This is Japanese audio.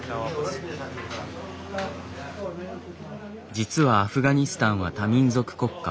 実はアフガニスタンは多民族国家。